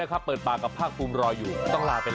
อ่ะอ่ะอ่ะอ่ะอ่ะอ่ะอ่ะอ่ะอ่ะอ่ะอ่ะอ่ะอ่ะอ่ะอ่ะอ่ะ